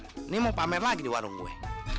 ini mau pamer lagi di warung gue